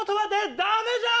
ダメじゃん！